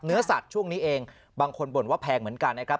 เนื้อสัตว์ช่วงนี้เองบางคนบ่นว่าแพงเหมือนกันนะครับ